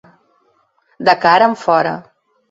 De cara enfora.